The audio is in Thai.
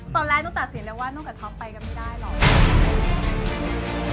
ตอนแรกต้องตัดสินเลยว่านอกจากท็อปไปกันไม่ได้หรอก